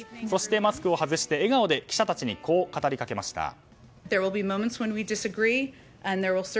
そしてマスクを外して笑顔で記者たちにこう語りかけました。